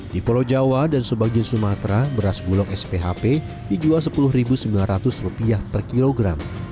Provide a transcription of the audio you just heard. di pulau jawa dan sebagian sumatera beras bulog sphp dijual rp sepuluh sembilan ratus per kilogram